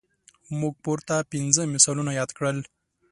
موږ پورته پنځه مثالونه یاد کړل.